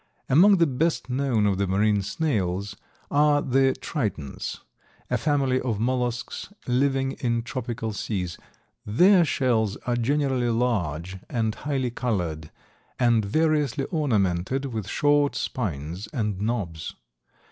Among the best known of the marine snails are the Tritons, a family of mollusks living in tropical seas. Their shells are generally large and highly colored and variously ornamented with short spines and knobs.